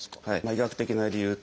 医学的な理由とですね